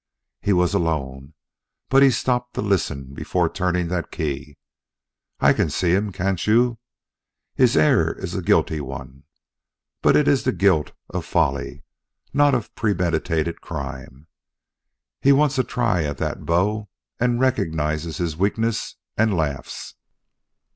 He was alone, but he stopped to listen before turning that key. I can see him, can't you? His air is a guilty one; but it is the guilt of folly, not of premeditated crime. He wants a try at that bow and recognizes his weakness and laughs.